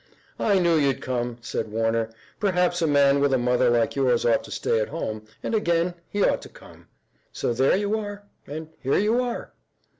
"I knew you'd come," said Warner. "Perhaps a man with a mother like yours ought to stay at home, and again he ought to come. So there you are, and here you are!"